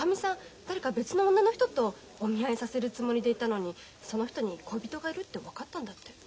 誰か別の女の人とお見合いさせるつもりでいたのにその人に恋人がいるって分かったんだって。